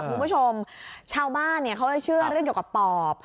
คุณผู้ชมชาวบ้านเขาจะเชื่อเรื่องเกี่ยวกับปอบ